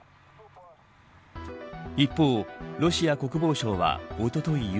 一方、ロシア国防省はおととい